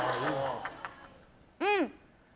うん。